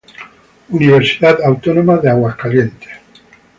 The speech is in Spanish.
Universidad Autónoma de Aguascalientes.